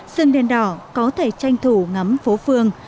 rừng đèn đỏ có thể tranh thủ ngắm phố phương